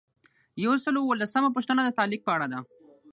یو سل او اووه لسمه پوښتنه د تعلیق په اړه ده.